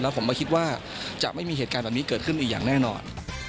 ผมก็คิดว่าจะไม่มีเหตุการณ์แบบนี้เกิดขึ้นอีกอย่างแน่นอน